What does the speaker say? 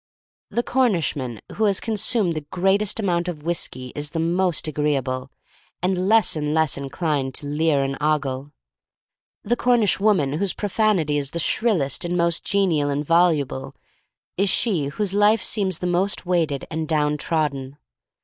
The Cornishman who has consumed the greatest amount of whiskey is the most THE STORY OF MARY MAC LANE II5 agreeable, and less and less inclined to leer and ogle. The Cornish woman whose profanity is the shrillest and most genial and voluble, is she whose life seems the most weighted and down trodden.